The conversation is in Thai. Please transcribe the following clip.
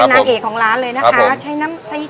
เป็นนางเอกของร้านเลยนะคะใช้ตัวน้ำกะทิสด